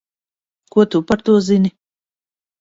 Ko tu par to zini?